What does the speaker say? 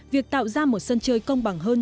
việc tạo ra một sân chơi công bằng hơn